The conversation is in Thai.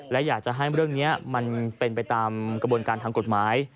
และอยากจะให้เรื่องนี้มันเป็นไปตามกระบวนการทางกฎหมาย